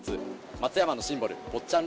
松山のシンボル坊ちゃん